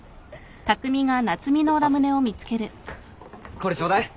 これちょうだい。